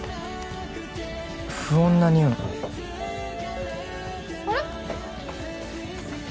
不穏なにおいあれ？